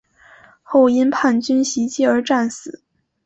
后因叛军袭击而战死。